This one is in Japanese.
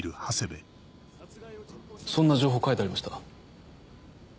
そんな情報書いてありました？